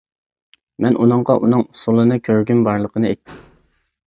مەن ئۇنىڭغا ئۇنىڭ ئۇسسۇلىنى كۆرگۈم بارلىقىنى ئېيتتىم.